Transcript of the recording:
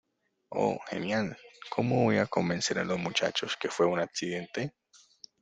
Oh, genial. ¿ cómo voy a convencer a los muchachos que fue un accidente?